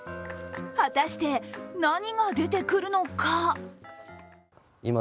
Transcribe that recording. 果たして、何が出てくるのか？